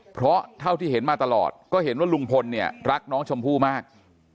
เพราะเท่าที่เห็นมาตลอดก็เห็นว่าลุงพลเนี่ยรักน้องชมพู่มาก